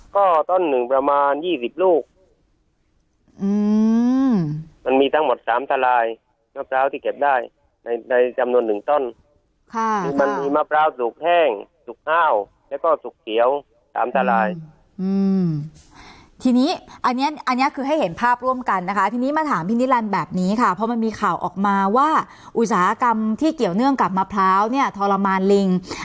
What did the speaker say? ก็ต้นหนึ่งประมาณยี่สิบลูกมันมีทั้งหมดสามสะลายมะพร้าวที่เก็บได้ในจำนวนหนึ่งต้นค่ะค่ะมันมีมะพร้าวสุกแห้งสุกห้าวแล้วก็สุกเขียวสามสะลายอืมทีนี้อันเนี้ยอันเนี้ยคือให้เห็นภาพร่วมกันนะคะทีนี้มาถามพี่นิรันดิ์แบบนี้ค่ะเพราะมันมีข่าวออกมาว่าอุตสาหกรรมที่เกี่